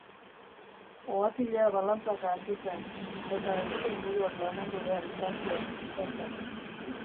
Ohatila balantzaka hasi zen, eta erizainburuak lagundu behar izan zion zuzentzen.